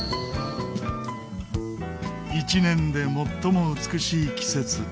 一年で最も美しい季節。